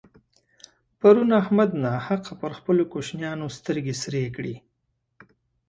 پرون احمد ناحقه پر خپلو کوشنيانو سترګې سرې کړې.